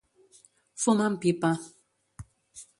Fumar amb pipa.